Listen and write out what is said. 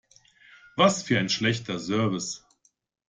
Was für ein schlechter Service!